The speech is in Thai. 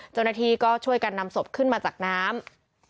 เจ้าหน้าที่ก็ช่วยกันนำศพขึ้นมาจากน้ำ